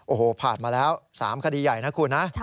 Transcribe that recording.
โอ้โหผ่านมาแล้ว๓คดีใหญ่นะคุณนะ